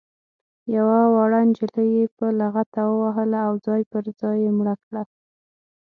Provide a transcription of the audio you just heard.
یوه وړه نجلۍ یې په لغته ووهله او ځای پر ځای یې مړه کړه.